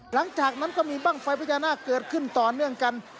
หลังจากนั้นก็มีบ้างไฟพญานาคเกิดขึ้นต่อเนื่องกัน